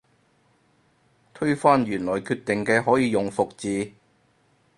推翻原來決定嘅可以用覆字